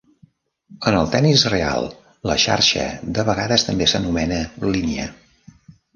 En el tenis real la xarxa de vegades també s'anomena "línia".